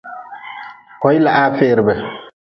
Koilahaa ferbe.